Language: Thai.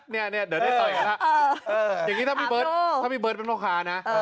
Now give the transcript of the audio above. อย่างนี้ถ้ามีเบิร์ดเป็นโภคาร์